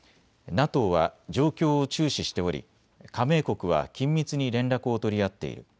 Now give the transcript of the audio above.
ＮＡＴＯは状況を注視しており加盟国は緊密に連絡を取り合っている。